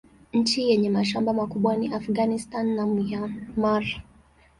Nchi yenye mashamba makubwa ni Afghanistan na Myanmar.